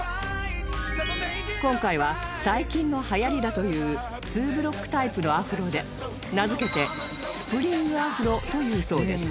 今回は最近の流行りだというツーブロックタイプのアフロで名付けてスプリングアフロというそうです